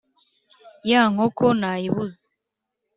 ya nkoko nayibuze"!